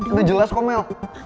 udah jelas kok mel